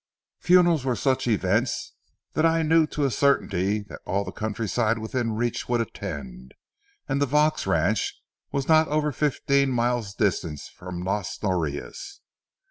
Funerals were such events that I knew to a certainty that all the countryside within reach would attend, and the Vaux ranch was not over fifteen miles distant from Las Norias.